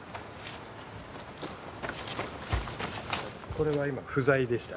これは今、不在でした。